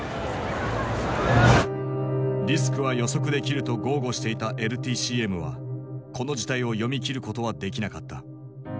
リスクは予測できると豪語していたＬＴＣＭはこの事態を読み切ることはできなかった。